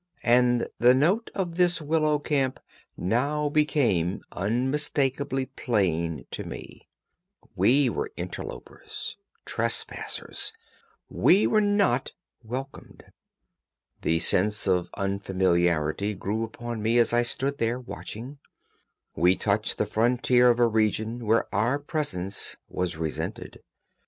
And the note of this willow camp now became unmistakably plain to me; we were interlopers, trespassers; we were not welcomed. The sense of unfamiliarity grew upon me as I stood there watching. We touched the frontier of a region where our presence was resented.